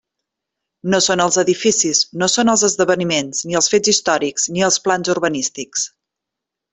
No són els edificis, no són els esdeveniments, ni els fets històrics, ni els plans urbanístics.